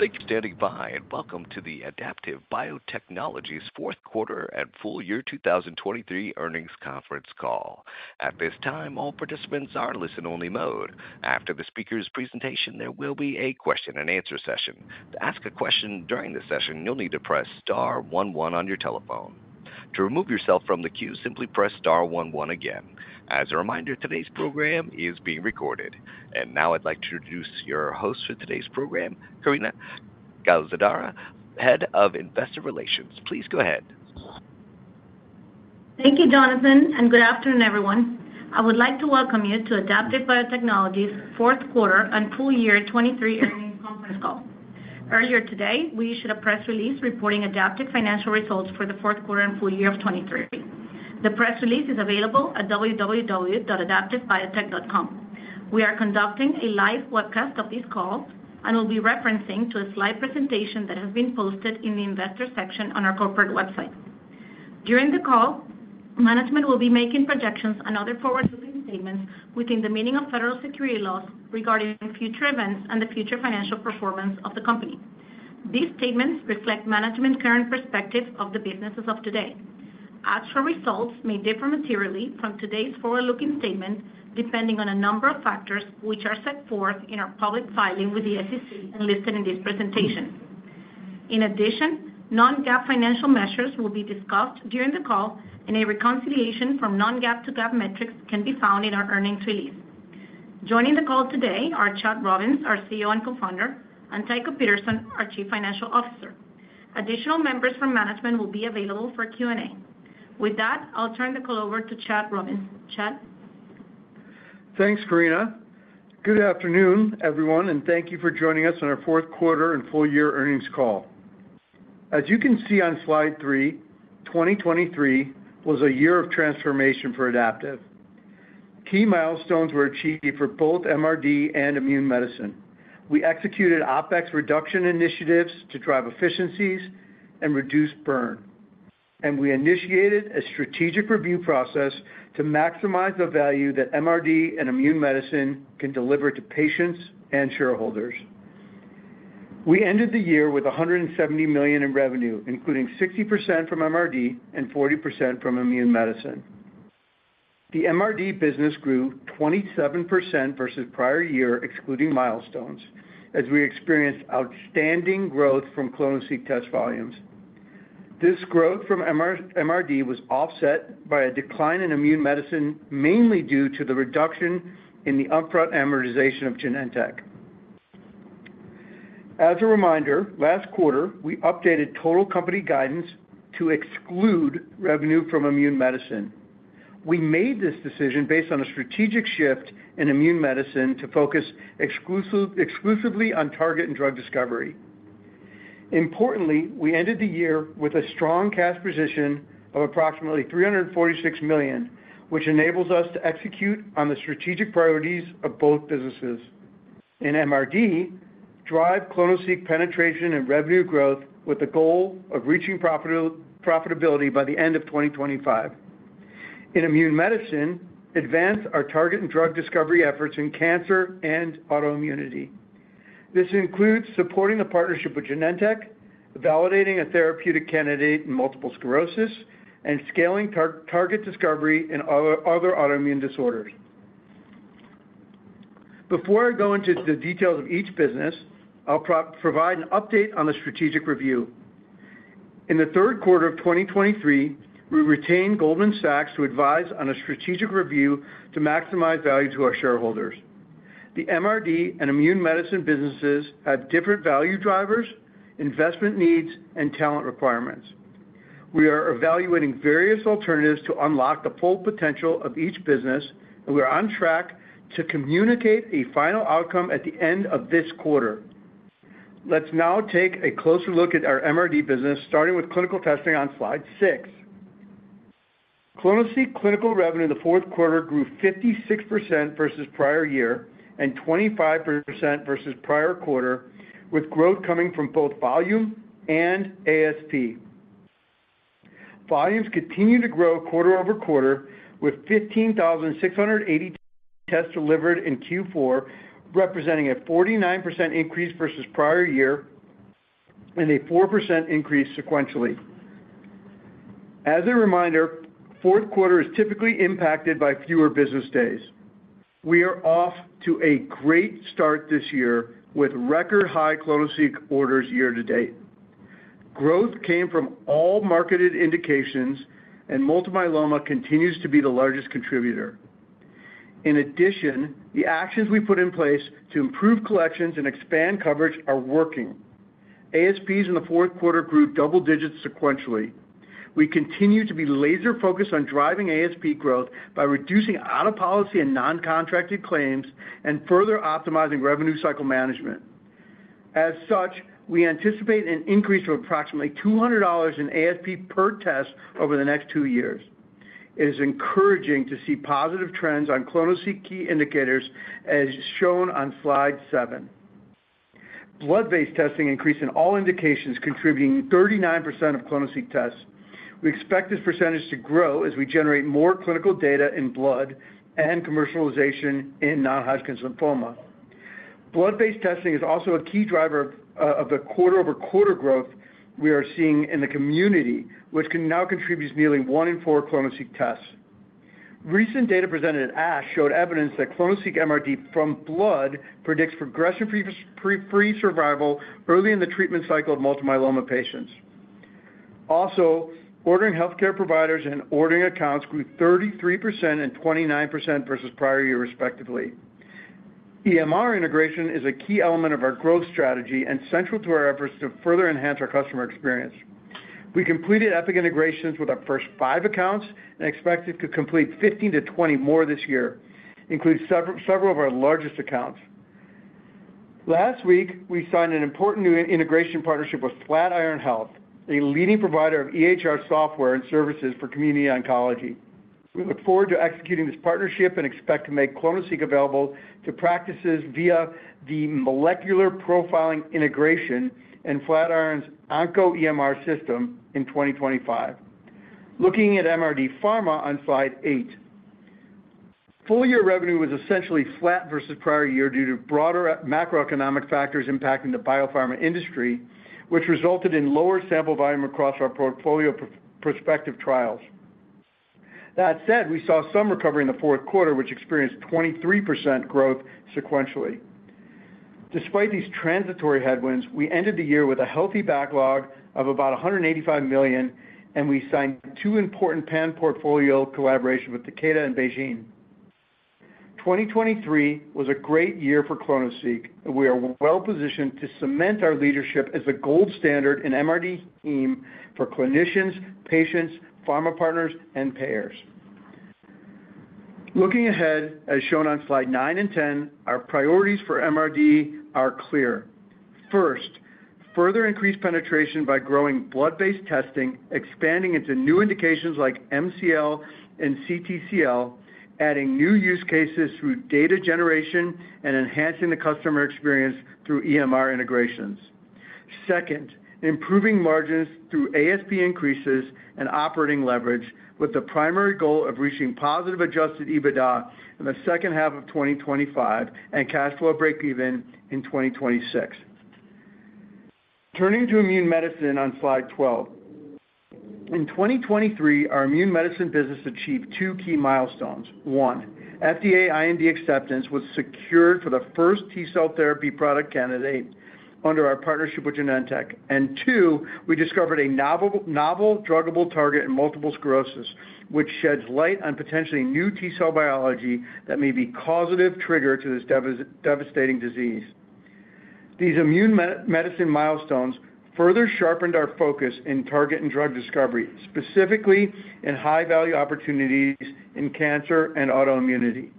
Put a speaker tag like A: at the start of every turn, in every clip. A: Thank you for standing by and welcome to the Adaptive Biotechnologies Q4 and full year 2023 earnings conference call. At this time, all participants are in listen-only mode. After the speaker's presentation, there will be a question-and-answer session. To ask a question during the session, you'll need to press star 11 on your telephone. To remove yourself from the queue, simply press star 11 again. As a reminder, today's program is being recorded. Now I'd like to introduce your host for today's program, Karina Calzadilla, head of investor relations. Please go ahead.
B: Thank you, Jonathan, and good afternoon, everyone. I would like to welcome you to Adaptive Biotechnologies fourth quarter and full year 2023 earnings conference call. Earlier today, we issued a press release reporting Adaptive financial results for the fourth quarter and full year of 2023. The press release is available at www.adaptivebiotech.com. We are conducting a live webcast of this call and will be referencing to a slide presentation that has been posted in the investor section on our corporate website. During the call, management will be making projections and other forward-looking statements within the meaning of federal security laws regarding future events and the future financial performance of the company. These statements reflect management's current perspective of the business as of today. Actual results may differ materially from today's forward-looking statement depending on a number of factors which are set forth in our public filing with the SEC and listed in this presentation. In addition, non-GAAP financial measures will be discussed during the call, and a reconciliation from non-GAAP to GAAP metrics can be found in our earnings release. Joining the call today are Chad Robins, our CEO and co-founder, and Tycho Peterson, our Chief Financial Officer. Additional members from management will be available for Q&A. With that, I'll turn the call over to Chad Robins. Chad?
C: Thanks, Karina. Good afternoon, everyone, and thank you for joining us on our Q4 and full year earnings call. As you can see on slide 3, 2023 was a year of transformation for Adaptive. Key milestones were achieved for both MRD and immune medicine. We executed OpEx reduction initiatives to drive efficiencies and reduce burn, and we initiated a strategic review process to maximize the value that MRD and immune medicine can deliver to patients and shareholders. We ended the year with $170 million in revenue, including 60% from MRD and 40% from immune medicine. The MRD business grew 27% versus prior year excluding milestones, as we experienced outstanding growth from clonoSEQ test volumes. This growth from MRD was offset by a decline in immune medicine, mainly due to the reduction in the upfront amortization of Genentech. As a reminder, last quarter, we updated total company guidance to exclude revenue from immune medicine. We made this decision based on a strategic shift in immune medicine to focus exclusively on target and drug discovery. Importantly, we ended the year with a strong cash position of approximately $346 million, which enables us to execute on the strategic priorities of both businesses. In MRD, drive clonoSEQ penetration and revenue growth with the goal of reaching profitability by the end of 2025. In immune medicine, advance our target and drug discovery efforts in cancer and autoimmunity. This includes supporting the partnership with Genentech, validating a therapeutic candidate in multiple sclerosis, and scaling target discovery in other autoimmune disorders. Before I go into the details of each business, I'll provide an update on the strategic review. In the Q3 of 2023, we retained Goldman Sachs to advise on a strategic review to maximize value to our shareholders. The MRD and immune medicine businesses have different value drivers, investment needs, and talent requirements. We are evaluating various alternatives to unlock the full potential of each business, and we are on track to communicate a final outcome at the end of this quarter. Let's now take a closer look at our MRD business, starting with clinical testing on slide 6. clonoSEQ clinical revenue in the fourth quarter grew 56% versus prior year and 25% versus prior quarter, with growth coming from both volume and ASP. Volumes continue to grow QoQ, with 15,682 tests delivered in Q4, representing a 49% increase versus prior year and a 4% increase sequentially. As a reminder, Q4 is typically impacted by fewer business days. We are off to a great start this year with record-high clonoSEQ orders year to date. Growth came from all marketed indications, and Multiple Myeloma continues to be the largest contributor. In addition, the actions we put in place to improve collections and expand coverage are working. ASPs in the Q4 grew double digits sequentially. We continue to be laser-focused on driving ASP growth by reducing out-of-policy and non-contracted claims and further optimizing revenue cycle management. As such, we anticipate an increase of approximately $200 in ASP per test over the next two years. It is encouraging to see positive trends on clonoSEQ key indicators, as shown on slide 7. Blood-based testing increased in all indications, contributing 39% of clonoSEQ tests. We expect this percentage to grow as we generate more clinical data in blood and commercialization in non-Hodgkin's lymphoma. Blood-based testing is also a key driver of the QoQ growth we are seeing in the community, which now contributes nearly one in four clonoSEQ tests. Recent data presented at ASH showed evidence that clonoSEQ MRD from blood predicts progression-free survival early in the treatment cycle of Multiple Myeloma patients. Also, ordering healthcare providers and ordering accounts grew 33% and 29% versus prior year, respectively. EMR integration is a key element of our growth strategy and central to our efforts to further enhance our customer experience. We completed Epic integrations with our first five accounts and expect to complete 15 to 20 more this year, including several of our largest accounts. Last week, we signed an important new integration partnership with Flatiron Health, a leading provider of EHR software and services for community oncology. We look forward to executing this partnership and expect to make clonoSEQ available to practices via the molecular profiling integration and Flatiron Health's OncoEMR system in 2025. Looking at MRD pharma on slide 8, full year revenue was essentially flat versus prior year due to broader macroeconomic factors impacting the biopharma industry, which resulted in lower sample volume across our portfolio prospective trials. That said, we saw some recovery in the Q4, which experienced 23% growth sequentially. Despite these transitory headwinds, we ended the year with a healthy backlog of about $185 million, and we signed two important pan-portfolio collaborations with Takeda and BeiGene. 2023 was a great year for clonoSEQ, and we are well-positioned to cement our leadership as the gold standard in MRD testing for clinicians, patients, pharma partners, and payers. Looking ahead, as shown on slide 9 and 10, our priorities for MRD are clear. First, further increased penetration by growing blood-based testing, expanding into new indications like MCL and CTCL, adding new use cases through data generation, and enhancing the customer experience through EMR integrations. Second, improving margins through ASP increases and operating leverage, with the primary goal of reaching positive Adjusted EBITDA in the second half of 2025 and cash flow break-even in 2026. Turning to immune medicine on slide 12, in 2023, our immune medicine business achieved two key milestones. One, FDA IND acceptance was secured for the first T-cell therapy product candidate under our partnership with Genentech. And two, we discovered a novel druggable target in multiple sclerosis, which sheds light on potentially new T-cell biology that may be a causative trigger to this devastating disease. These immune medicine milestones further sharpened our focus in target and drug discovery, specifically in high-value opportunities in cancer and autoimmunity.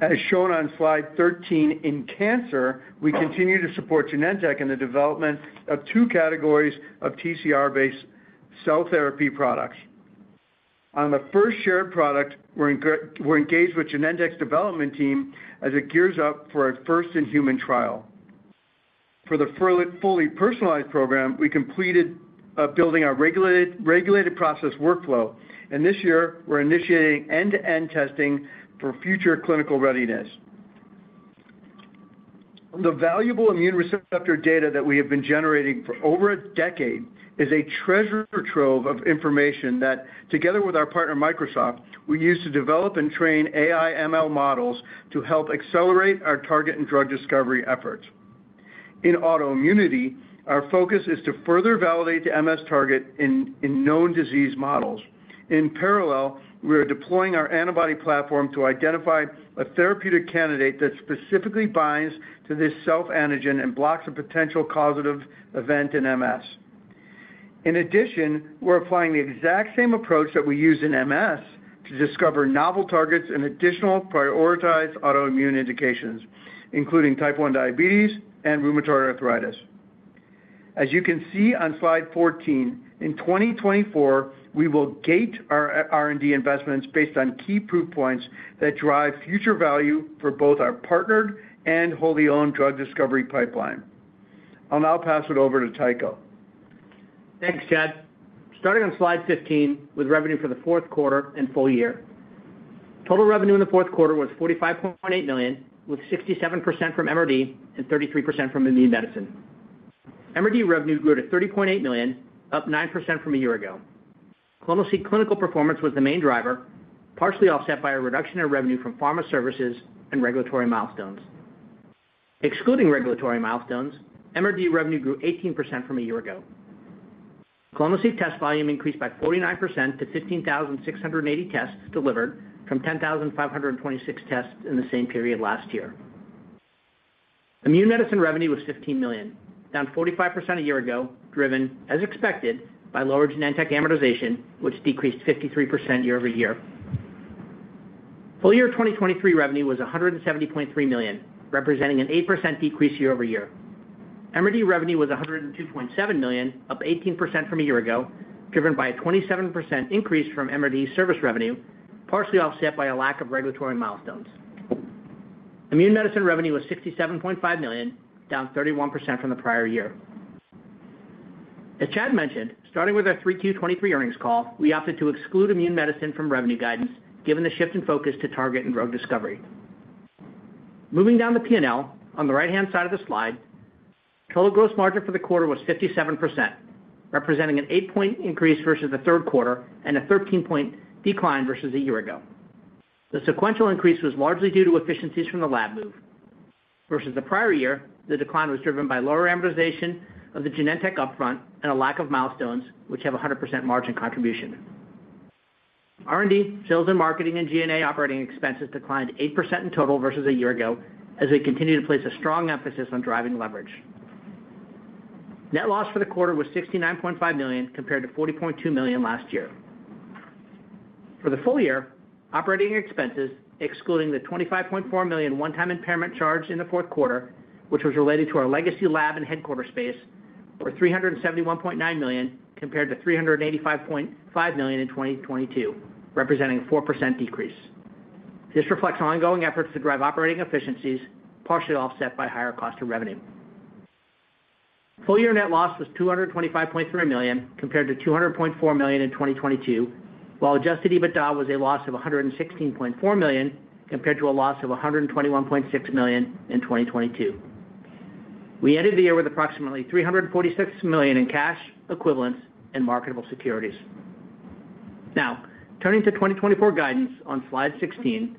C: As shown on slide 13, in cancer, we continue to support Genentech in the development of two categories of TCR-based cell therapy products. On the first shared product, we're engaged with Genentech's development team as it gears up for a first-in-human trial. For the fully personalized program, we completed building our regulated process workflow, and this year, we're initiating end-to-end testing for future clinical readiness. The valuable immune receptor data that we have been generating for over a decade is a treasure trove of information that, together with our partner Microsoft, we use to develop and train AI/ML models to help accelerate our target and drug discovery efforts. In autoimmunity, our focus is to further validate the MS target in known disease models. In parallel, we are deploying our antibody platform to identify a therapeutic candidate that specifically binds to this self-antigen and blocks a potential causative event in MS. In addition, we're applying the exact same approach that we use in MS to discover novel targets and additional prioritized autoimmune indications, including type 1 diabetes and rheumatoid arthritis. As you can see on slide 14, in 2024, we will gate our R&D investments based on key proof points that drive future value for both our partnered and wholly-owned drug discovery pipeline. I'll now pass it over to Tycho.
D: Thanks, Chad. Starting on slide 15 with revenue for the Q4 and full year. Total revenue in the Q4 was $45.8 million, with 67% from MRD and 33% from immune medicine. MRD revenue grew to $30.8 million, up 9% from a year ago. clonoSEQ clinical performance was the main driver, partially offset by a reduction in revenue from pharma services and regulatory milestones. Excluding regulatory milestones, MRD revenue grew 18% from a year ago. clonoSEQ test volume increased by 49% to 15,680 tests delivered from 10,526 tests in the same period last year. Immune medicine revenue was $15 million, down 45% a year ago, driven, as expected, by lower Genentech amortization, which decreased 53% year-over-year. Full year 2023 revenue was $170.3 million, representing an 8% decrease year-over-year. MRD revenue was $102.7 million, up 18% from a year ago, driven by a 27% increase from MRD service revenue, partially offset by a lack of regulatory milestones. Immune Medicine revenue was $67.5 million, down 31% from the prior year. As Chad mentioned, starting with our 3Q23 earnings call, we opted to exclude Immune Medicine from revenue guidance given the shift in focus to target and drug discovery. Moving down the P&L, on the right-hand side of the slide, total gross margin for the quarter was 57%, representing an 8-point increase versus the Q3 and a 13-point decline versus a year ago. The sequential increase was largely due to efficiencies from the lab move. Versus the prior year, the decline was driven by lower amortization of the Genentech upfront and a lack of milestones, which have 100% margin contribution. R&D, sales and marketing, and G&A operating expenses declined 8% in total versus a year ago as we continue to place a strong emphasis on driving leverage. Net loss for the quarter was $69.5 million compared to $40.2 million last year. For the full year, operating expenses, excluding the $25.4 million one-time impairment charge in the Q4, which was related to our legacy lab and headquarters space, were $371.9 million compared to $385.5 million in 2022, representing a 4% decrease. This reflects ongoing efforts to drive operating efficiencies, partially offset by higher cost of revenue. Full year net loss was $225.3 million compared to $200.4 million in 2022, while Adjusted EBITDA was a loss of $116.4 million compared to a loss of $121.6 million in 2022. We ended the year with approximately $346 million in cash equivalents and marketable securities. Now, turning to 2024 guidance on slide 16,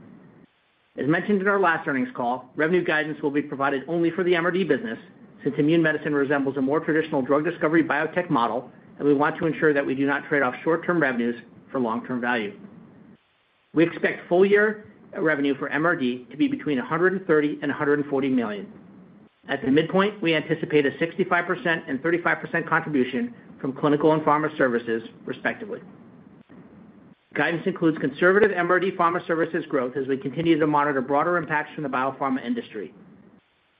D: as mentioned in our last earnings call, revenue guidance will be provided only for the MRD business since immune medicine resembles a more traditional drug discovery biotech model, and we want to ensure that we do not trade off short-term revenues for long-term value. We expect full year revenue for MRD to be between $130 million-$140 million. At the midpoint, we anticipate a 65% and 35% contribution from clinical and pharma services, respectively. Guidance includes conservative MRD pharma services growth as we continue to monitor broader impacts from the biopharma industry.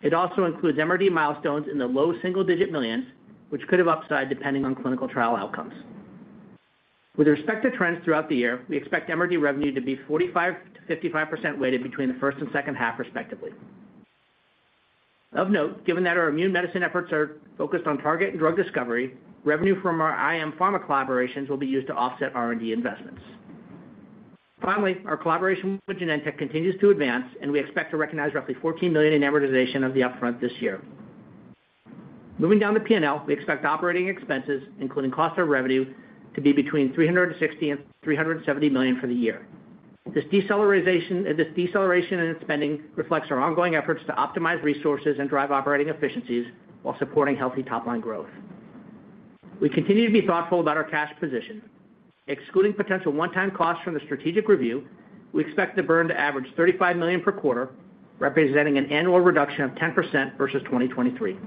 D: It also includes MRD milestones in the low single-digit $ millions, which could have upside depending on clinical trial outcomes. With respect to trends throughout the year, we expect MRD revenue to be 45%-55% weighted between the first and second half, respectively. Of note, given that our immune medicine efforts are focused on target and drug discovery, revenue from our IM pharma collaborations will be used to offset R&D investments. Finally, our collaboration with Genentech continues to advance, and we expect to recognize roughly $14 million in amortization of the upfront this year. Moving down the P&L, we expect operating expenses, including cost of revenue, to be between $360 million-$370 million for the year. This deceleration in spending reflects our ongoing efforts to optimize resources and drive operating efficiencies while supporting healthy top-line growth. We continue to be thoughtful about our cash position. Excluding potential one-time costs from the strategic review, we expect the burn to average $35 million per quarter, representing an annual reduction of 10% versus 2023.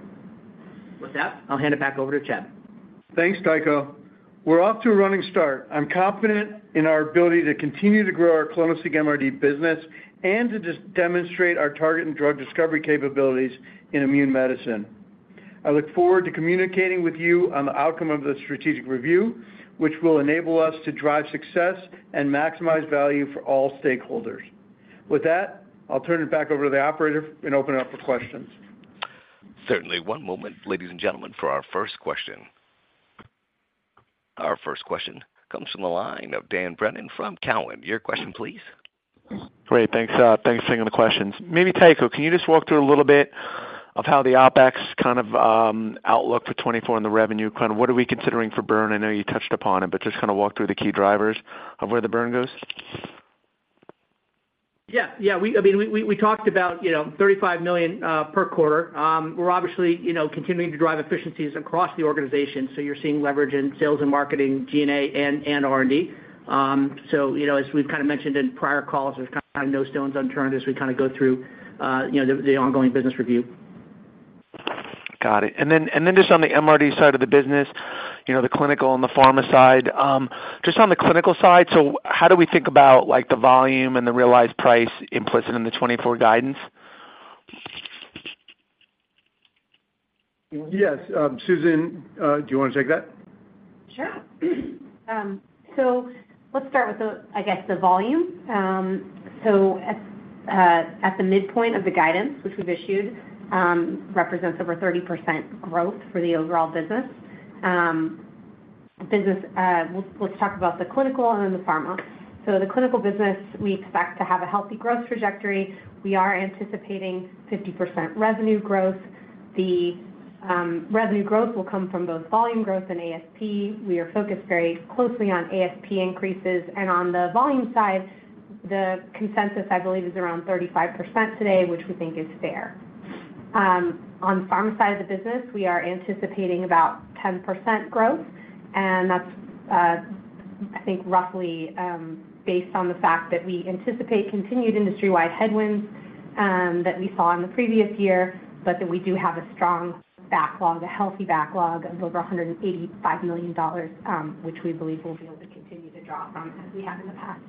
D: With that, I'll hand it back over to Chad.
C: Thanks, Tycho. We're off to a running start. I'm confident in our ability to continue to grow our clonoSEQ MRD business and to demonstrate our target and drug discovery capabilities in immune medicine. I look forward to communicating with you on the outcome of the strategic review, which will enable us to drive success and maximize value for all stakeholders. With that, I'll turn it back over to the operator and open it up for questions.
A: Certainly. One moment, ladies and gentlemen, for our first question. Our first question comes from the line of Dan Brennan from Cowen. Your question, please.
E: Great. Thanks for taking the questions. Maybe, Tycho, can you just walk through a little bit of how the OpEx kind of outlook for 2024 and the revenue? Kind of what are we considering for burn? I know you touched upon it, but just kind of walk through the key drivers of where the burn goes.
D: Yeah. Yeah. I mean, we talked about $35 million per quarter. We're obviously continuing to drive efficiencies across the organization, so you're seeing leverage in sales and marketing, G&A, and R&D. So as we've kind of mentioned in prior calls, there's kind of no stones unturned as we kind of go through the ongoing business review.
E: Got it. And then just on the MRD side of the business, the clinical and the pharma side, just on the clinical side, so how do we think about the volume and the realized price implicit in the 2024 guidance?
C: Yes. Susan, do you want to take that?
F: Sure. So let's start with, I guess, the volume. So at the midpoint of the guidance, which we've issued, represents over 30% growth for the overall business. Let's talk about the clinical and then the pharma. So the clinical business, we expect to have a healthy growth trajectory. We are anticipating 50% revenue growth. The revenue growth will come from both volume growth and ASP. We are focused very closely on ASP increases. And on the volume side, the consensus, I believe, is around 35% today, which we think is fair. On the pharma side of the business, we are anticipating about 10% growth, and that's, I think, roughly based on the fact that we anticipate continued industry-wide headwinds that we saw in the previous year, but that we do have a strong backlog, a healthy backlog of over $185 million, which we believe we'll be able to continue to draw from as we have in the past.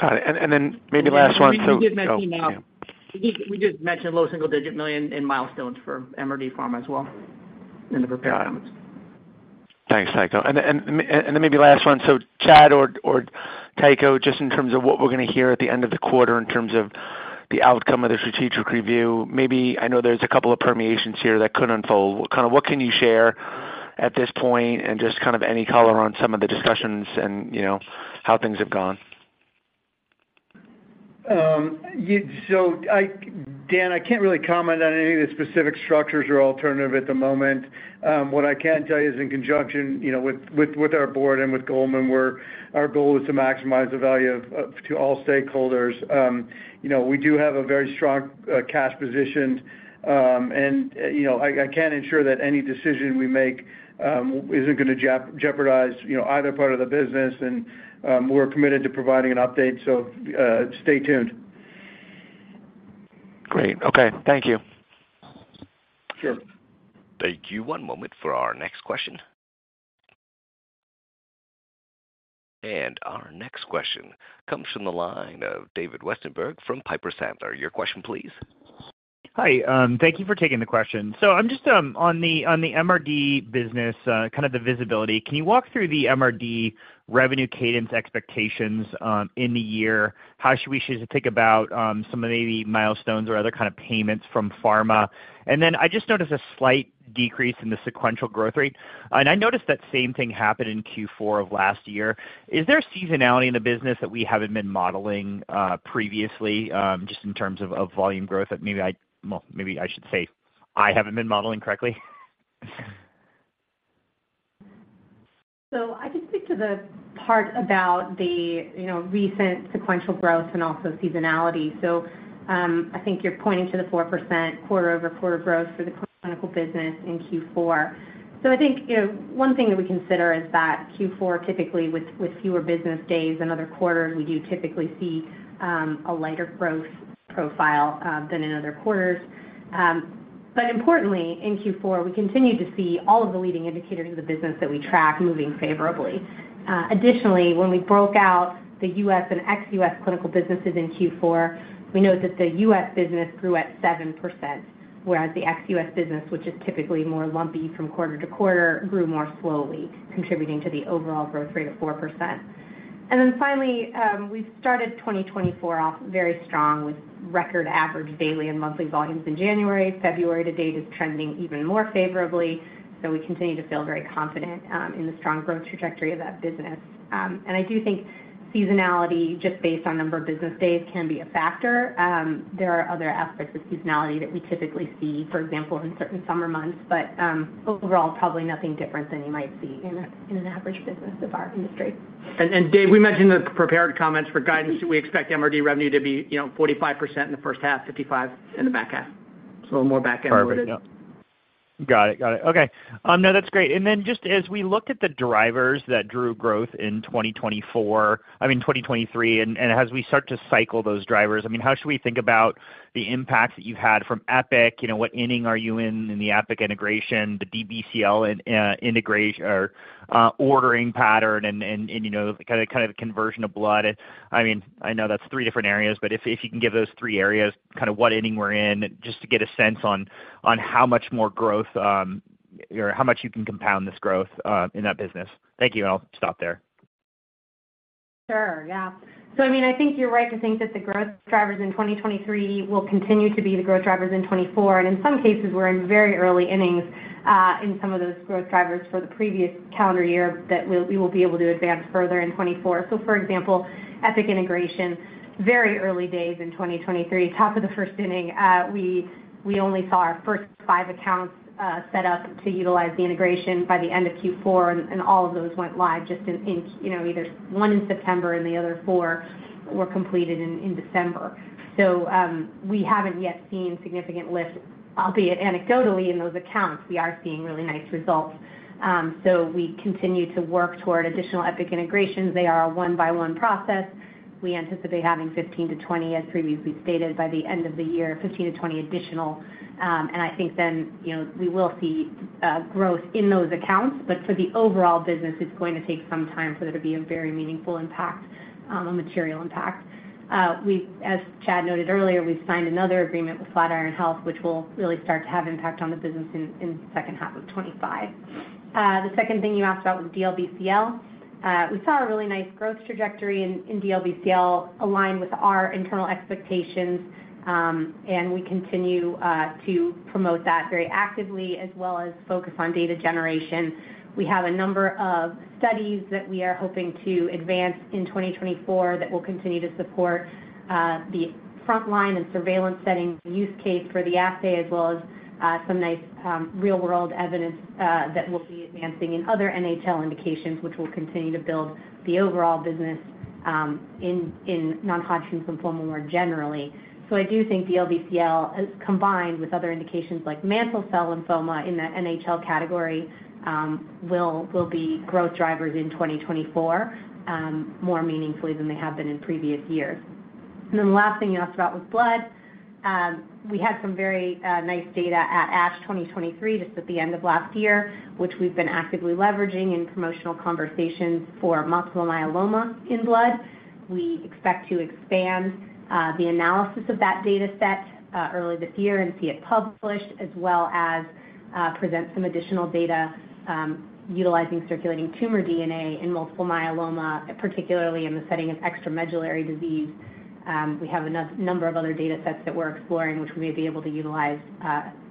E: Got it. And then maybe last one, so.
D: We did mention $low single-digit million in milestones for MRD pharma as well in the prepared comments.
E: Thanks, Tycho. And then maybe last one, so Chad or Tycho, just in terms of what we're going to hear at the end of the quarter in terms of the outcome of the strategic review, maybe I know there's a couple of permutations here that could unfold. Kind of what can you share at this point and just kind of any color on some of the discussions and how things have gone?
C: Dan, I can't really comment on any of the specific structures or alternative at the moment. What I can tell you is in conjunction with our board and with Goldman, our goal is to maximize the value to all stakeholders. We do have a very strong cash position, and I can't ensure that any decision we make isn't going to jeopardize either part of the business. We're committed to providing an update, so stay tuned.
G: Great. Okay. Thank you.
C: Sure.
A: Thank you. One moment for our next question. Our next question comes from the line of David Westenberg from Piper Sandler. Your question, please.
H: Hi. Thank you for taking the question. So I'm just on the MRD business, kind of the visibility. Can you walk through the MRD revenue cadence expectations in the year? How should we think about some of maybe milestones or other kind of payments from pharma? And then I just noticed a slight decrease in the sequential growth rate, and I noticed that same thing happened in Q4 of last year. Is there seasonality in the business that we haven't been modeling previously just in terms of volume growth that maybe I well, maybe I should say I haven't been modeling correctly?
F: So I can speak to the part about the recent sequential growth and also seasonality. So I think you're pointing to the 4% QoQ growth for the clinical business in Q4. So I think one thing that we consider is that Q4, typically with fewer business days than other quarters, we do typically see a lighter growth profile than in other quarters. But importantly, in Q4, we continue to see all of the leading indicators of the business that we track moving favorably. Additionally, when we broke out the US and ex-US clinical businesses in Q4, we note that the US business grew at 7%, whereas the ex-US business, which is typically more lumpy from quarter to quarter, grew more slowly, contributing to the overall growth rate of 4%. And then finally, we've started 2024 off very strong with record average daily and monthly volumes in January. February to date is trending even more favorably, so we continue to feel very confident in the strong growth trajectory of that business. I do think seasonality, just based on number of business days, can be a factor. There are other aspects of seasonality that we typically see, for example, in certain summer months, but overall, probably nothing different than you might see in an average business of our industry.
D: Dave, we mentioned in the prepared comments for guidance that we expect MRD revenue to be 45% in the first half, 55% in the back half. A little more back-end marketing.
H: Perfect. Yeah. Got it. Got it. Okay. No, that's great. And then just as we look at the drivers that drew growth in 2024, I mean, 2023, and as we start to cycle those drivers, I mean, how should we think about the impacts that you've had from Epic? What inning are you in in the Epic integration, the DLBCL ordering pattern, and kind of the conversion of blood? I mean, I know that's three different areas, but if you can give those three areas kind of what inning we're in just to get a sense on how much more growth or how much you can compound this growth in that business. Thank you, and I'll stop there.
F: Sure. Yeah. So I mean, I think you're right to think that the growth drivers in 2023 will continue to be the growth drivers in 2024. And in some cases, we're in very early innings in some of those growth drivers for the previous calendar year that we will be able to advance further in 2024. So for example, Epic integration, very early days in 2023, top of the first inning, we only saw our first 5 accounts set up to utilize the integration by the end of Q4, and all of those went live just in either 1 in September and the other 4 were completed in December. So we haven't yet seen significant lift, albeit anecdotally, in those accounts. We are seeing really nice results. So we continue to work toward additional Epic integrations. They are a one-by-one process. We anticipate having 15-20, as previously stated, by the end of the year, 15-20 additional. And I think then we will see growth in those accounts, but for the overall business, it's going to take some time for there to be a very meaningful impact, a material impact. As Chad noted earlier, we've signed another agreement with Flatiron Health, which will really start to have impact on the business in the second half of 2025. The second thing you asked about was DLBCL. We saw a really nice growth trajectory in DLBCL aligned with our internal expectations, and we continue to promote that very actively as well as focus on data generation. We have a number of studies that we are hoping to advance in 2024 that will continue to support the frontline and surveillance setting use case for the assay, as well as some nice real-world evidence that we'll be advancing in other NHL indications, which will continue to build the overall business in Non-Hodgkin's Lymphoma more generally. So I do think DLBCL, combined with other indications like Mantle Cell Lymphoma in the NHL category, will be growth drivers in 2024 more meaningfully than they have been in previous years. Then the last thing you asked about was blood. We had some very nice data at ASH 2023 just at the end of last year, which we've been actively leveraging in promotional conversations for Multiple Myeloma in blood. We expect to expand the analysis of that dataset early this year and see it published, as well as present some additional data utilizing circulating tumor DNA in Multiple Myeloma, particularly in the setting of extramedullary disease. We have a number of other datasets that we're exploring, which we may be able to utilize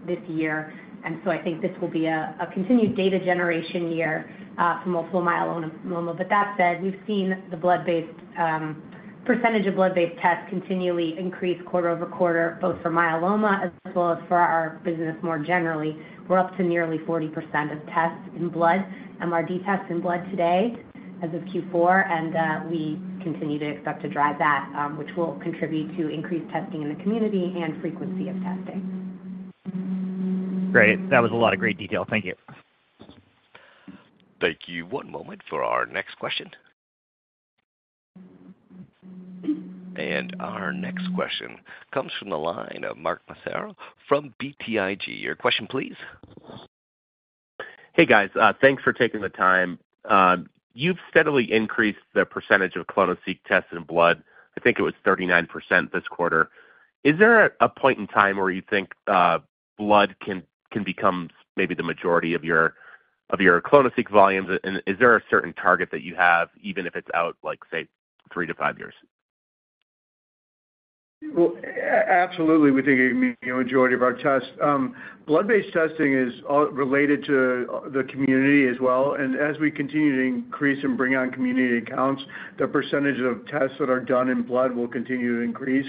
F: this year. And so I think this will be a continued data generation year for Multiple Myeloma. But that said, we've seen the percentage of blood-based tests continually increase QoQ, both for myeloma as well as for our business more generally. We're up to nearly 40% of tests in blood, MRD tests in blood today as of Q4, and we continue to expect to drive that, which will contribute to increased testing in the community and frequency of testing.
H: Great. That was a lot of great detail. Thank you.
A: Thank you. One moment for our next question. Our next question comes from the line of Mark Massaro from BTIG. Your question, please.
I: Hey, guys. Thanks for taking the time. You've steadily increased the percentage of clonoSEQ tests in blood. I think it was 39% this quarter. Is there a point in time where you think blood can become maybe the majority of your clonoSEQ volumes? And is there a certain target that you have, even if it's out, say, 3-5 years?
C: Absolutely. We think it can be the majority of our tests. Blood-based testing is related to the community as well. And as we continue to increase and bring on community accounts, the percentage of tests that are done in blood will continue to increase.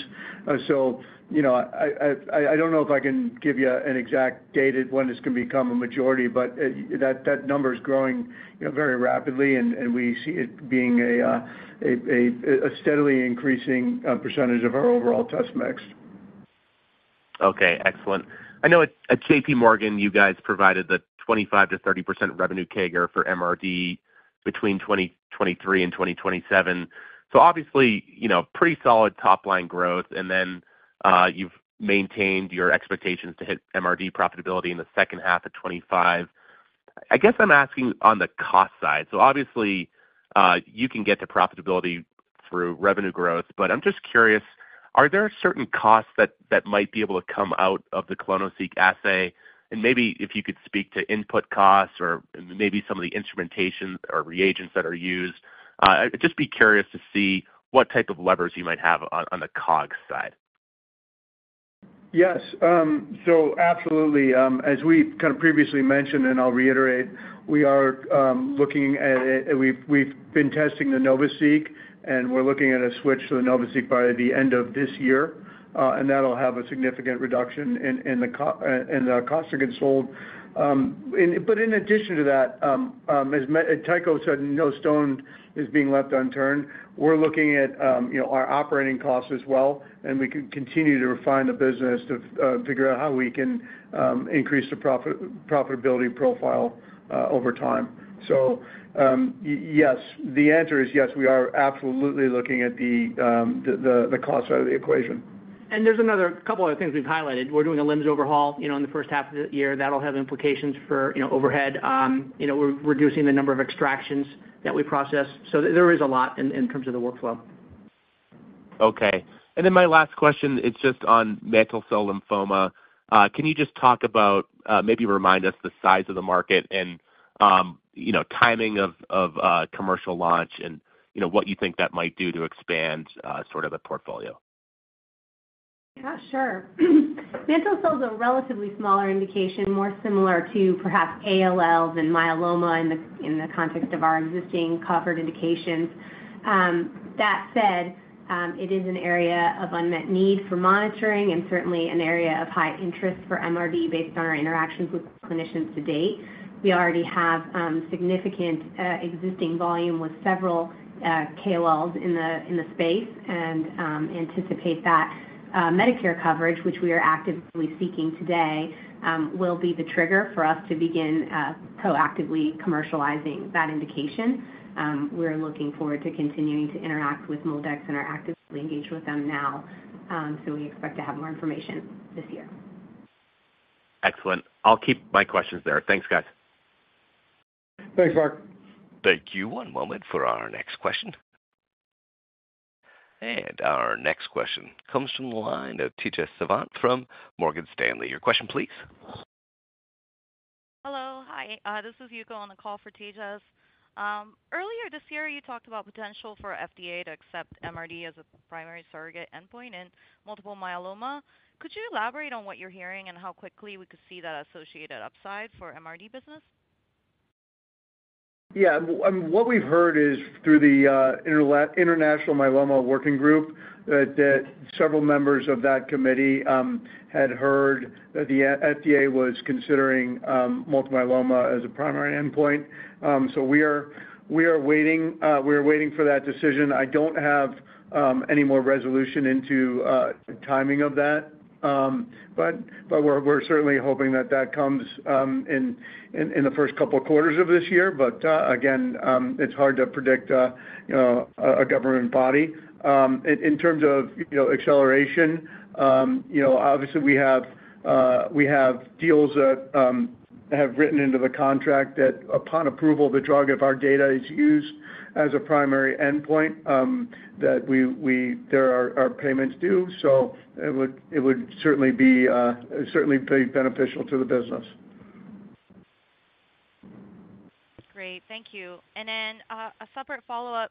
C: So I don't know if I can give you an exact date when it's going to become a majority, but that number is growing very rapidly, and we see it being a steadily increasing percentage of our overall test mix.
I: Okay. Excellent. I know at JPMorgan, you guys provided the 25%-30% revenue CAGR for MRD between 2023 and 2027. So obviously, pretty solid top-line growth, and then you've maintained your expectations to hit MRD profitability in the second half of 2025. I guess I'm asking on the cost side. So obviously, you can get to profitability through revenue growth, but I'm just curious, are there certain costs that might be able to come out of the clonoSEQ assay? And maybe if you could speak to input costs or maybe some of the instrumentation or reagents that are used, I'd just be curious to see what type of levers you might have on the COGS side.
C: Yes. So absolutely. As we kind of previously mentioned, and I'll reiterate, we are looking at it. We've been testing the NovaSeq, and we're looking at a switch to the NovaSeq by the end of this year, and that'll have a significant reduction in the cost against hold. But in addition to that, as Tycho said, no stone is being left unturned. We're looking at our operating costs as well, and we can continue to refine the business to figure out how we can increase the profitability profile over time. So yes, the answer is yes, we are absolutely looking at the cost side of the equation.
D: There's a couple other things we've highlighted. We're doing a lens overhaul in the first half of the year. That'll have implications for overhead. We're reducing the number of extractions that we process. There is a lot in terms of the workflow.
I: Okay. And then my last question, it's just on Mantle Cell Lymphoma. Can you just talk about maybe remind us the size of the market and timing of commercial launch and what you think that might do to expand sort of a portfolio?
F: Yeah, sure. Mantle Cell is a relatively smaller indication, more similar to perhaps ALLs and myeloma in the context of our existing cleared indications. That said, it is an area of unmet need for monitoring and certainly an area of high interest for MRD based on our interactions with clinicians to date. We already have significant existing volume with several KOLs in the space and anticipate that Medicare coverage, which we are actively seeking today, will be the trigger for us to begin proactively commercializing that indication. We're looking forward to continuing to interact with MolDX and are actively engaged with them now. So we expect to have more information this year.
I: Excellent. I'll keep my questions there. Thanks, guys.
C: Thanks, Mark.
A: Thank you. One moment for our next question. Our next question comes from the line of Tejas Savant from Morgan Stanley. Your question, please.
J: Hello. Hi. This is Yuko on the call for Tejas. Earlier this year, you talked about potential for FDA to accept MRD as a primary surrogate endpoint in Multiple Myeloma. Could you elaborate on what you're hearing and how quickly we could see that associated upside for MRD business?
C: Yeah. What we've heard is through the International Myeloma Working Group that several members of that committee had heard that the FDA was considering multiple Myeloma as a primary endpoint. So we are waiting. We are waiting for that decision. I don't have any more resolution into timing of that, but we're certainly hoping that that comes in the first couple of quarters of this year. But again, it's hard to predict a government body. In terms of acceleration, obviously, we have deals that have written into the contract that upon approval, the drug, if our data is used as a primary endpoint, that our payments due. So it would certainly be beneficial to the business.
J: Great. Thank you. And then a separate follow-up,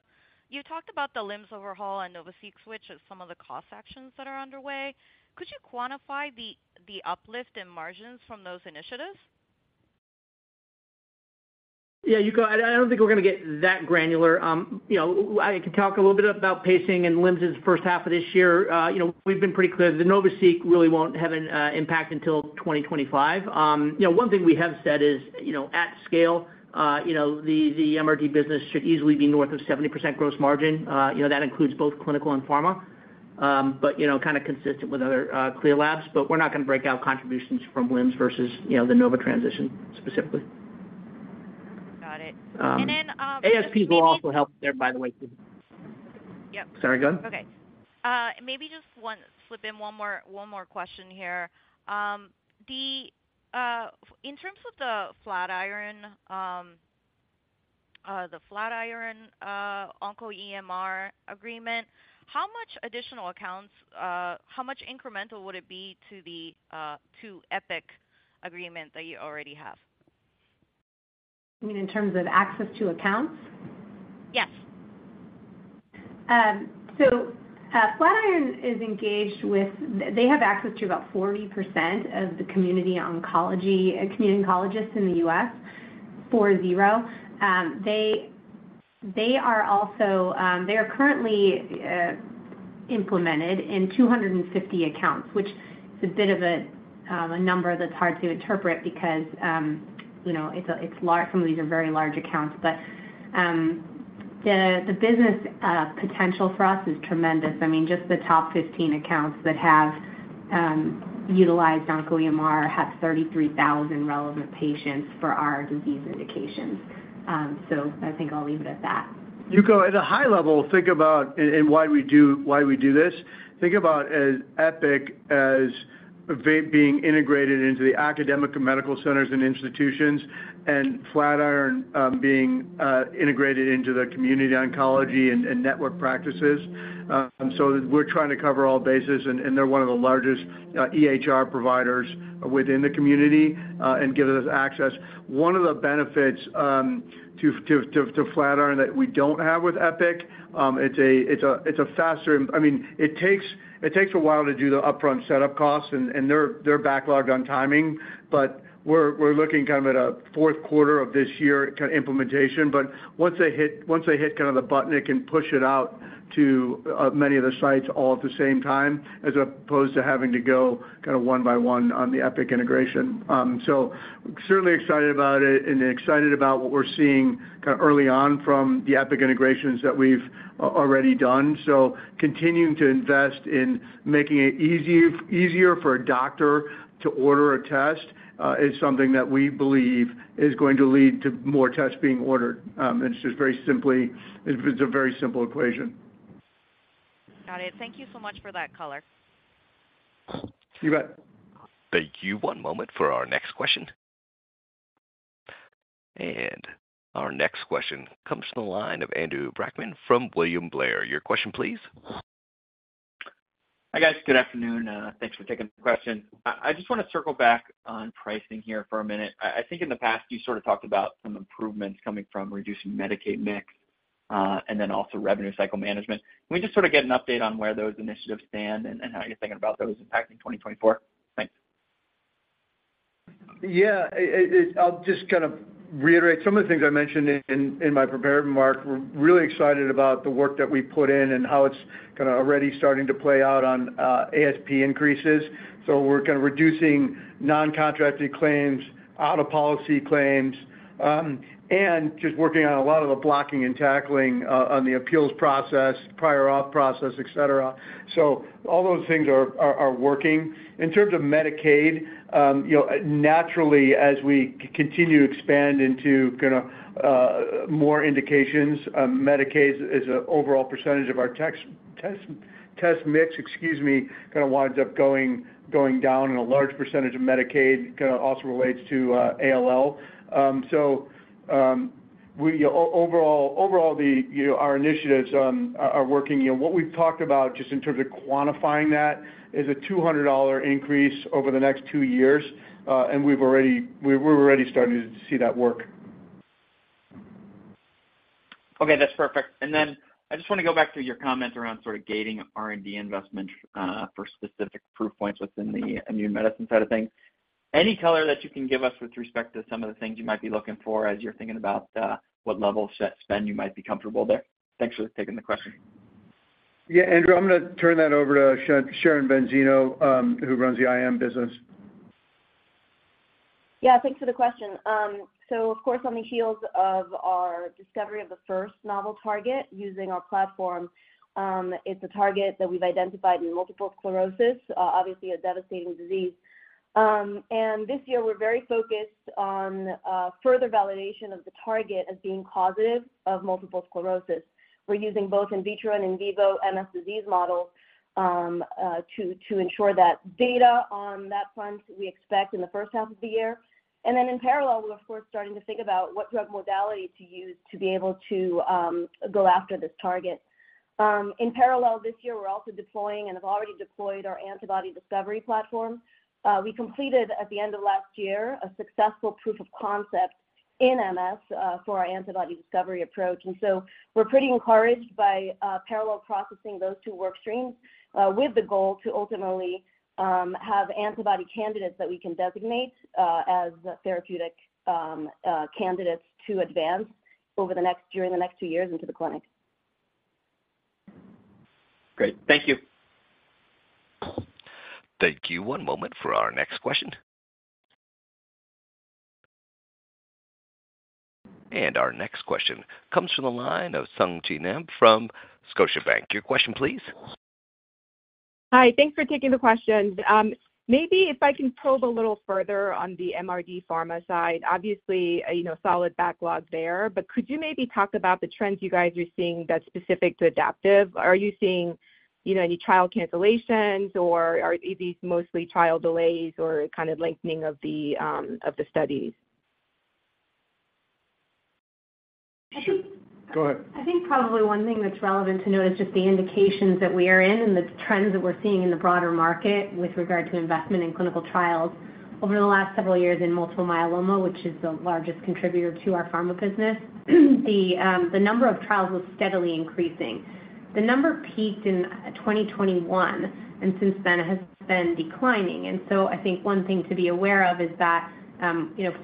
J: you talked about the LIMS overhaul and NovaSeq switch as some of the cost actions that are underway. Could you quantify the uplift in margins from those initiatives?
D: Yeah, Yuko. I don't think we're going to get that granular. I can talk a little bit about pacing and expenses first half of this year. We've been pretty clear. The NovaSeq really won't have an impact until 2025. One thing we have said is at scale, the MRD business should easily be north of 70% gross margin. That includes both clinical and pharma, but kind of consistent with other peer labs. But we're not going to break out contributions from expenses versus the Nova transition specifically.
J: Got it. And then.
D: ASPs will also help there, by the way.
J: Yep.
D: Sorry. Go ahead.
H: Okay. Maybe just slip in one more question here. In terms of the Flatiron OncoEMR agreement, how much additional accounts how much incremental would it be to the Epic agreement that you already have?
F: You mean in terms of access to accounts?
J: Yes.
F: So Flatiron is engaged with. They have access to about 40% of the community oncology community oncologists in the U.S., 40. They are currently implemented in 250 accounts, which is a bit of a number that's hard to interpret because some of these are very large accounts. But the business potential for us is tremendous. I mean, just the top 15 accounts that have utilized OncoEMR have 33,000 relevant patients for our disease indications. So I think I'll leave it at that.
C: Yuko, at a high level, think about and why we do this. Think about Epic as being integrated into the academic and medical centers and institutions and Flatiron being integrated into the community oncology and network practices. So we're trying to cover all bases, and they're one of the largest EHR providers within the community and give us access. One of the benefits to Flatiron that we don't have with Epic, it's a faster I mean, it takes a while to do the upfront setup costs, and they're backlogged on timing. But we're looking kind of at a Q4 of this year kind of implementation. But once they hit kind of the button, it can push it out to many of the sites all at the same time as opposed to having to go kind of one by one on the Epic integration. So certainly excited about it and excited about what we're seeing kind of early on from the Epic integrations that we've already done. So continuing to invest in making it easier for a doctor to order a test is something that we believe is going to lead to more tests being ordered. It's just very simply a very simple equation.
J: Got it. Thank you so much for that color.
C: You bet.
A: Thank you. One moment for our next question. Our next question comes from the line of Andrew Brackmann from William Blair. Your question, please.
K: Hi guys. Good afternoon. Thanks for taking the question. I just want to circle back on pricing here for a minute. I think in the past, you sort of talked about some improvements coming from reducing Medicaid mix and then also revenue cycle management. Can we just sort of get an update on where those initiatives stand and how you're thinking about those impacting 2024? Thanks.
C: Yeah. I'll just kind of reiterate some of the things I mentioned in my prepared remarks. We're really excited about the work that we put in and how it's kind of already starting to play out on ASP increases. So we're kind of reducing non-contracted claims, out-of-policy claims, and just working on a lot of the blocking and tackling on the appeals process, prior auth process, etc. So all those things are working. In terms of Medicaid, naturally, as we continue to expand into kind of more indications, Medicaid's overall percentage of our test mix kind of winds up going down, and a large percentage of Medicaid kind of also relates to ALL. So overall, our initiatives are working. What we've talked about just in terms of quantifying that is a $200 increase over the next two years, and we're already starting to see that work.
K: Okay. That's perfect. And then I just want to go back to your comment around sort of gating R&D investment for specific proof points within the immune medicine side of things. Any color that you can give us with respect to some of the things you might be looking for as you're thinking about what level spend you might be comfortable there? Thanks for taking the question.
C: Yeah, Andrew. I'm going to turn that over to Sharon Benzeno, who runs the IM business.
L: Yeah. Thanks for the question. Of course, on the heels of our discovery of the first novel target using our platform, it's a target that we've identified in multiple sclerosis, obviously a devastating disease. This year, we're very focused on further validation of the target as being causative of multiple sclerosis. We're using both in vitro and in vivo MS disease models to ensure that data on that front, we expect in the first half of the year. Then in parallel, we're, of course, starting to think about what drug modality to use to be able to go after this target. In parallel, this year, we're also deploying and have already deployed our antibody discovery platform. We completed, at the end of last year, a successful proof of concept in MS for our antibody discovery approach. And so we're pretty encouraged by parallel processing those two workstreams with the goal to ultimately have antibody candidates that we can designate as therapeutic candidates to advance during the next two years into the clinic.
K: Great. Thank you.
A: Thank you. One moment for our next question. Our next question comes from the line of Sung Ji Nam from Scotiabank. Your question, please.
M: Hi. Thanks for taking the question. Maybe if I can probe a little further on the MRD pharma side, obviously, solid backlog there. But could you maybe talk about the trends you guys are seeing that's specific to Adaptive? Are you seeing any trial cancellations, or are these mostly trial delays or kind of lengthening of the studies?
F: I think.
C: Go ahead.
F: I think probably one thing that's relevant to note is just the indications that we are in and the trends that we're seeing in the broader market with regard to investment in clinical trials. Over the last several years in Multiple Myeloma, which is the largest contributor to our pharma business, the number of trials was steadily increasing. The number peaked in 2021, and since then, it has been declining. And so I think one thing to be aware of is that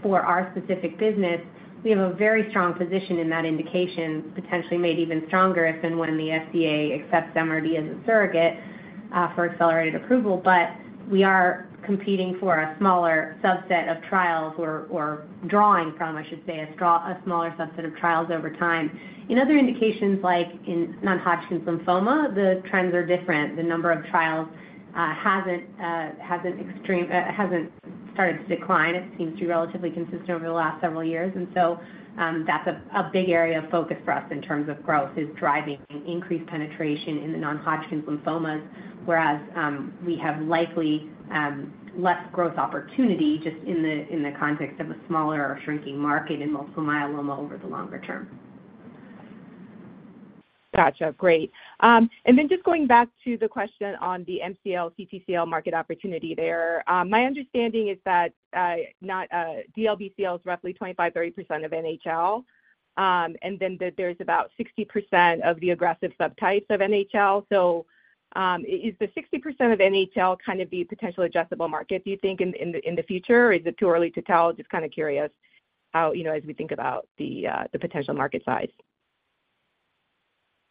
F: for our specific business, we have a very strong position in that indication, potentially made even stronger if and when the FDA accepts MRD as a surrogate for accelerated approval. But we are competing for a smaller subset of trials or drawing from, I should say, a smaller subset of trials over time. In other indications like non-Hodgkin's Lymphoma, the trends are different. The number of trials hasn't started to decline. It seems to be relatively consistent over the last several years. And so that's a big area of focus for us in terms of growth is driving increased penetration in the non-Hodgkin's lymphomas, whereas we have likely less growth opportunity just in the context of a smaller or shrinking market in multiple myeloma over the longer term.
M: Gotcha. Great. And then just going back to the question on the MCL/CTCL market opportunity there, my understanding is that DLBCL is roughly 25%-30% of NHL, and then that there's about 60% of the aggressive subtypes of NHL. So is the 60% of NHL kind of the potential addressable market, do you think, in the future? Or is it too early to tell? Just kind of curious as we think about the potential market size.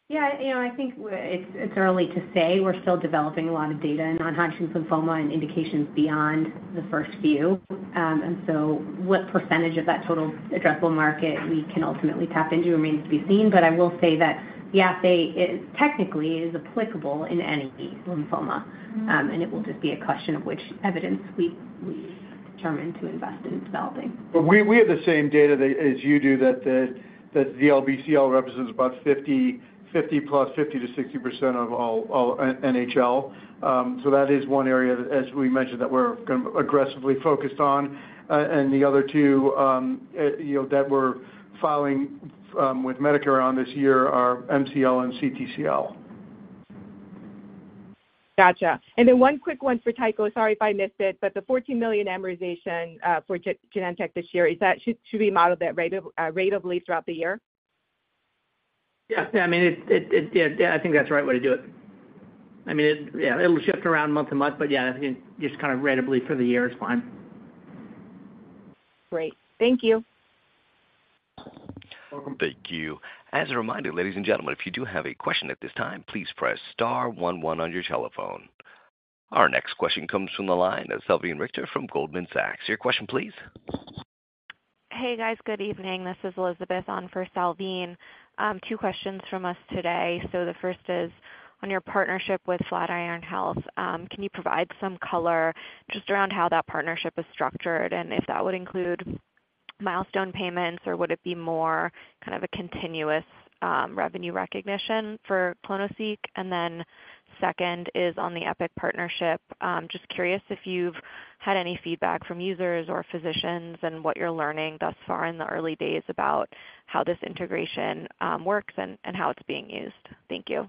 F: Yeah. I think it's early to say. We're still developing a lot of data in non-Hodgkin's lymphoma and indications beyond the first few. And so what percentage of that total addressable market we can ultimately tap into remains to be seen. But I will say that, yeah, technically, it is applicable in any lymphoma, and it will just be a question of which evidence we determine to invest in developing.
C: But we have the same data as you do that the DLBCL represents about 50+, 50%-60% of all NHL. So that is one area, as we mentioned, that we're kind of aggressively focused on. And the other two that we're filing with Medicare on this year are MCL and CTCL.
M: Gotcha. And then one quick one for Tycho. Sorry if I missed it. But the $14 million amortization for Genentech this year, should we model that ratably throughout the year?
D: Yeah. I mean, yeah, I think that's the right way to do it. I mean, yeah, it'll shift around month to month, but yeah, I think just kind of ratably for the year is fine.
N: Great. Thank you.
C: Welcome.
A: Thank you. As a reminder, ladies and gentlemen, if you do have a question at this time, please press star 11 on your telephone. Our next question comes from the line. That's Salveen Richter from Goldman Sachs. Your question, please.
O: Hey guys. Good evening. This is Elizabeth on for Salveen. Two questions from us today. So the first is on your partnership with Flatiron Health. Can you provide some color just around how that partnership is structured and if that would include milestone payments, or would it be more kind of a continuous revenue recognition for clonoSEQ? And then second is on the Epic partnership. Just curious if you've had any feedback from users or physicians and what you're learning thus far in the early days about how this integration works and how it's being used. Thank you.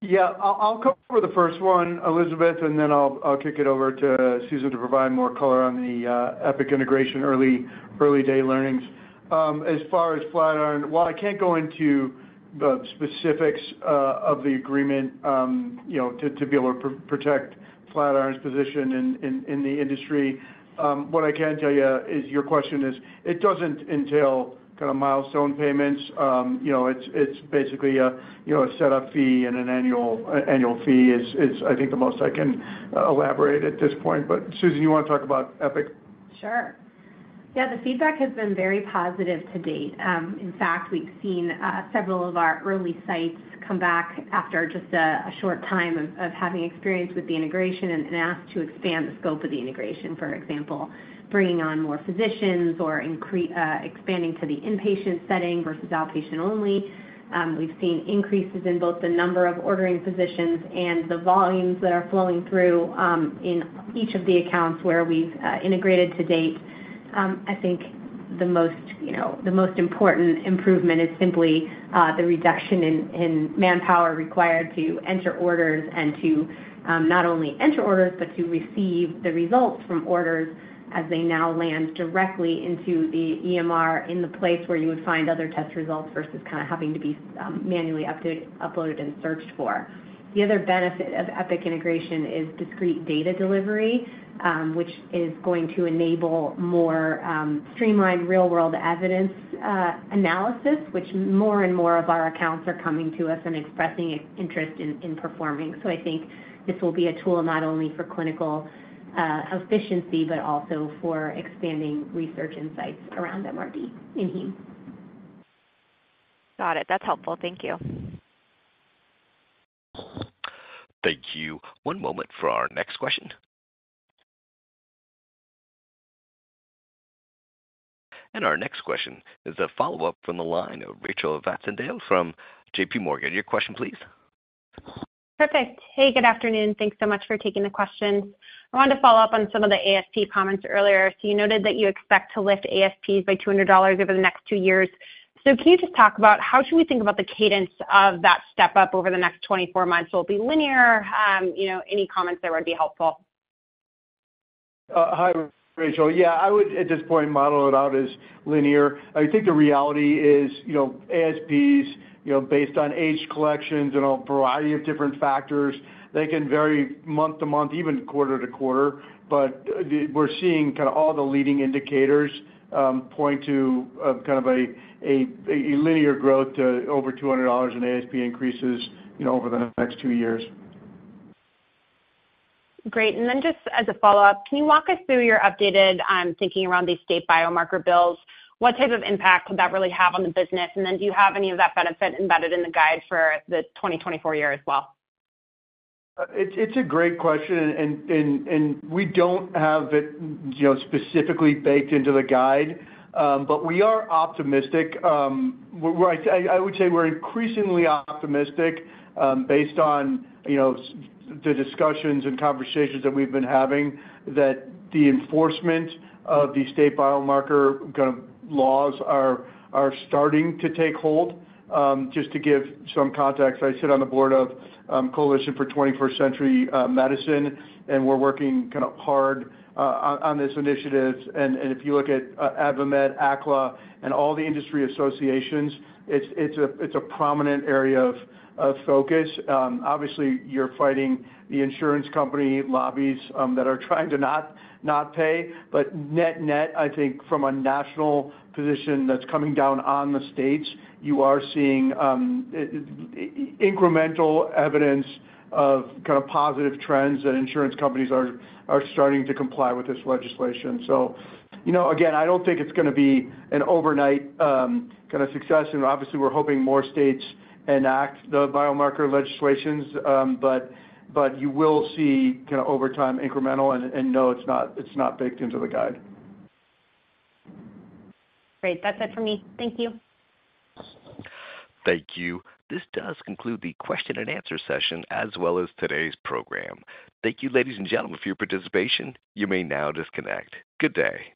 C: Yeah. I'll cover the first one, Elizabeth, and then I'll kick it over to Susan to provide more color on the Epic integration early-day learnings. As far as Flatiron, while I can't go into the specifics of the agreement to be able to protect Flatiron's position in the industry, what I can tell you is your question is it doesn't entail kind of milestone payments. It's basically a setup fee and an annual fee, I think, is the most I can elaborate at this point. But Susan, you want to talk about Epic?
F: Sure. Yeah. The feedback has been very positive to date. In fact, we've seen several of our early sites come back after just a short time of having experience with the integration and asked to expand the scope of the integration, for example, bringing on more physicians or expanding to the inpatient setting versus outpatient only. We've seen increases in both the number of ordering physicians and the volumes that are flowing through in each of the accounts where we've integrated to date. I think the most important improvement is simply the reduction in manpower required to enter orders and to not only enter orders but to receive the results from orders as they now land directly into the EMR in the place where you would find other test results versus kind of having to be manually uploaded and searched for. The other benefit of Epic integration is discrete data delivery, which is going to enable more streamlined real-world evidence analysis, which more and more of our accounts are coming to us and expressing interest in performing. So I think this will be a tool not only for clinical efficiency but also for expanding research insights around MRD in heme.
O: Got it. That's helpful. Thank you.
A: Thank you. One moment for our next question. Our next question is a follow-up from the line of Rachel Vatnsdal from JPMorgan. Your question, please.
P: Perfect. Hey. Good afternoon. Thanks so much for taking the question. I wanted to follow up on some of the ASP comments earlier. So you noted that you expect to lift ASPs by $200 over the next two years. So can you just talk about how should we think about the cadence of that step up over the next 24 months? Will it be linear? Any comments there would be helpful.
C: Hi, Rachel. Yeah. I would, at this point, model it out as linear. I think the reality is ASPs, based on age collections and a variety of different factors, they can vary month to month, even quarter to quarter. But we're seeing kind of all the leading indicators point to kind of a linear growth to over $200 in ASP increases over the next two years.
P: Great. And then just as a follow-up, can you walk us through your updated thinking around these state biomarker bills? What type of impact could that really have on the business? And then do you have any of that benefit embedded in the guide for the 2024 year as well?
C: It's a great question, and we don't have it specifically baked into the guide. But we are optimistic. I would say we're increasingly optimistic based on the discussions and conversations that we've been having that the enforcement of the state biomarker kind of laws are starting to take hold. Just to give some context, I sit on the board of Coalition for 21st Century Medicine, and we're working kind of hard on this initiative. And if you look at AdvaMed, ACLA, and all the industry associations, it's a prominent area of focus. Obviously, you're fighting the insurance company lobbies that are trying to not pay. But net-net, I think, from a national position that's coming down on the states, you are seeing incremental evidence of kind of positive trends that insurance companies are starting to comply with this legislation. So again, I don't think it's going to be an overnight kind of success. And obviously, we're hoping more states enact the biomarker legislations, but you will see kind of over time incremental. And no, it's not baked into the guide.
P: Great. That's it for me. Thank you.
A: Thank you. This does conclude the question-and-answer session as well as today's program. Thank you, ladies and gentlemen, for your participation. You may now disconnect. Good day.